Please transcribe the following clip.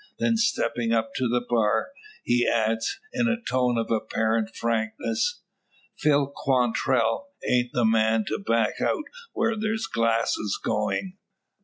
Then, stepping up to the bar, he adds, in a tone of apparent frankness: "Phil Quantrell ain't the man to back out where there's glasses going.